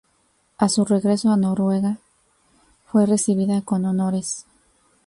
A su regreso a Noruega, fue recibida con honores.